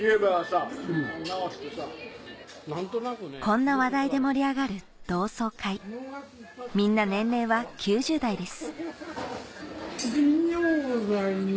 こんな話題で盛り上がる同窓会みんな年齢は９０代です